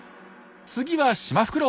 次はシマフクロウ。